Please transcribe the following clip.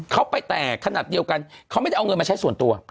เขาไปแตกขนาดเดียวกันเขาไม่ได้เอาเงินมาใช้ส่วนตัว